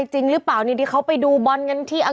ก็คือตามตรงนี้